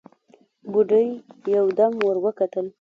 بوډۍ يودم ور وکتل: